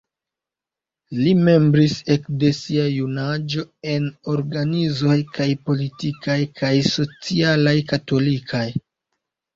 Li membris ekde sia junaĝo en organizoj kaj politikaj kaj socialaj katolikaj.